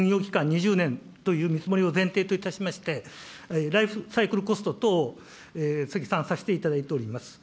２０年という見積もりを前提といたしまして、ライフサイクルコスト等を積算させていただいております。